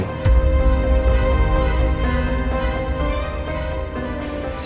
saran gue ya